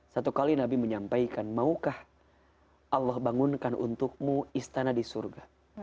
satu kali nabi menyampaikan maukah allah bangunkan untukmu istana di surga